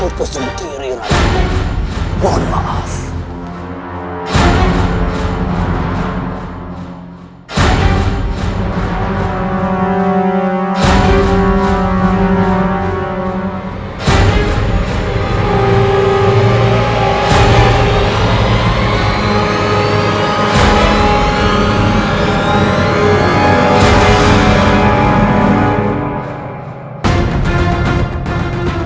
untuk terpidana mati